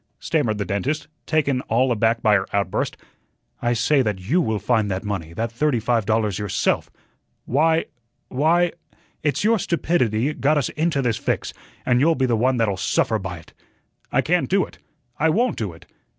stammered the dentist, taken all aback by her outburst. "I say that you will find that money, that thirty five dollars, yourself." "Why why " "It's your stupidity got us into this fix, and you'll be the one that'll suffer by it." "I can't do it, I WON'T do it.